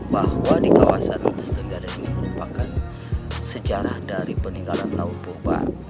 bahwa di kawasan senegara ini merupakan sejarah dari peninggalan laut purba